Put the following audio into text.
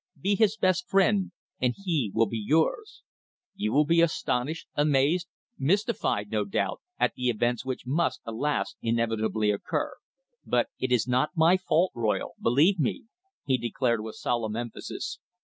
Be his best friend, as he will be yours. You will be astonished, amazed, mystified, no doubt, at the events which must, alas! inevitably occur. But it is not my fault, Royle, believe me," he declared with solemn emphasis.